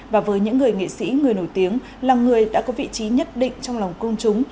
và với những người nghệ sĩ người nổi tiếng là người đã có vị trí nhất định trong lòng công chúng